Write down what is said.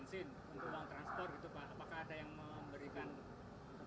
kenapa bisa ada di dalam mobil itu